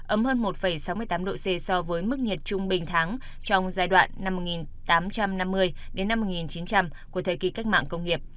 ấm hơn một sáu mươi tám độ c so với mức nhiệt trung bình tháng trong giai đoạn năm một nghìn tám trăm năm mươi đến năm một nghìn chín trăm linh của thời kỳ cách mạng công nghiệp